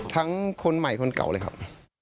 คนใหม่คนเก่าเลยครับ